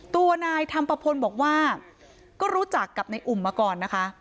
ตัวนายธรรมปะพลบอกว่าก็รู้จักกับในอุ่มมาก่อนนะคะ